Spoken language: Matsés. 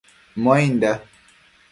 Muainda